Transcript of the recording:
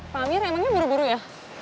pak amir emangnya buru buru ya